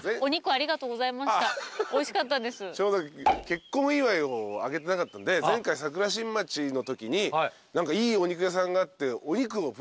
結婚祝いをあげてなかったんで前回桜新町のときに何かいいお肉屋さんがあって。